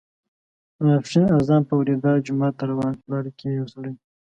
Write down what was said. د ماسپښین اذان په اوریدا جومات ته روان شو، لاره کې یې یو سړی